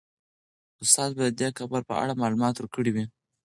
استاد به د دې قبر په اړه معلومات ورکړي وي.